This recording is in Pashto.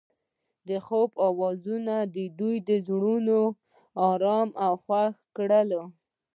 د خوب اواز د دوی زړونه ارامه او خوښ کړل.